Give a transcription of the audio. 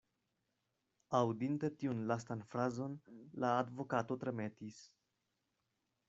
Aŭdinte tiun lastan frazon, la advokato tremetis.